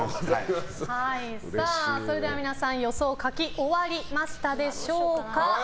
皆さん、予想を書き終わりましたでしょうか。